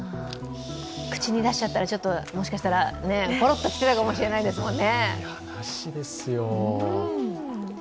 口に出しちゃったら、もしかしたらぽろっときていたかもしれないですね。